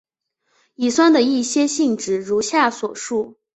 乙酸的一些性质如下所述。